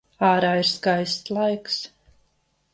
Ārā ir skaists laiks.